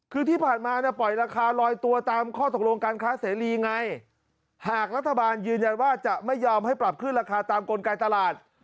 คือที่ผ่านมาเนี่ยปล่อยราคาลอยตัวตามข้อตกลงการค้าเสรีไงหากรัฐบาลยืนยันว่าจะไม่ยอมให้ปรับขึ้นราคาตามกลไกตลาด